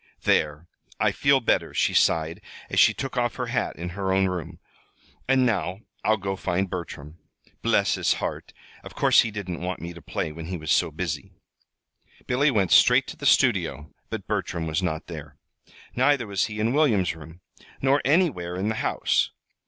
"There! I feel better," she sighed, as she took off her hat in her own room; "and now I'll go find Bertram. Bless his heart of course he didn't want me to play when he was so busy!" Billy went straight to the studio, but Bertram was not there. Neither was he in William's room, nor anywhere in the house.